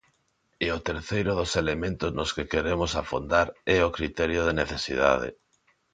E o terceiro dos elementos nos que queremos afondar é o criterio de necesidade.